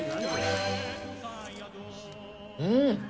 うん！